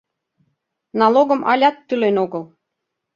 Налогым алят тӱлен огыл!